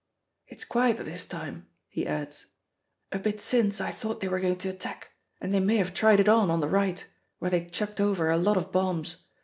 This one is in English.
"It's quiet at this time," he adds "A bit since I thought they were going to attack, and they may have tried it on, on the right, where they chucked over a lot of bombs.